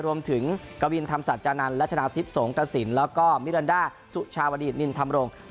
รวมถึงกวินธรรมศาสตร์จานันทร์ลัชนาสิทธิ์สงฆสินแล้วก็มิรันดาสุชาวดีนินธรรมรงค์